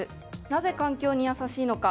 なぜ環境に優しいのか？